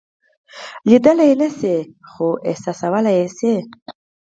لیدلی یې نشئ خو احساسولای یې شئ.